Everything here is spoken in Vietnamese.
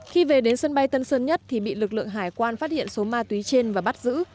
khi về đến sân bay tân sơn nhất thì bị lực lượng hải quan phát hiện số ma túy trên và bắt giữ